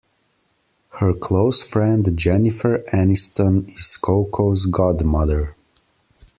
Her close friend Jennifer Aniston is Coco's godmother.